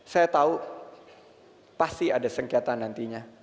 saya tahu pasti ada sengketa nantinya